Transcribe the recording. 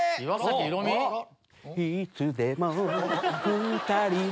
いつでも二人は